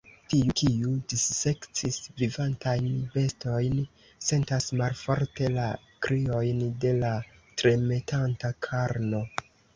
Tiu, kiu dissekcis vivantajn bestojn, sentas malforte la kriojn de la tremetanta karno.